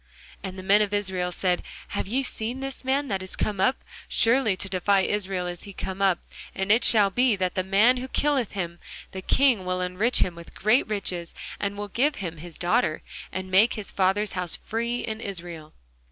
And the men of Israel said, Have ye seen this man that is come up? surely to defy Israel is he come up: and it shall be, that the man who killeth him, the king will enrich him with great riches, and will give him his daughter, and make his father's house free in Israel.